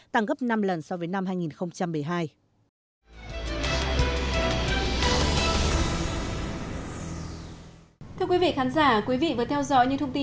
trong năm hai nghìn một mươi chín các bạn có thể tưởng tượng ra